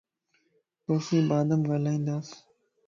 توسين بعد م ڳالھيائنداس